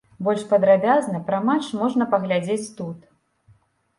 Больш падрабязна пра матч можна паглядзець тут.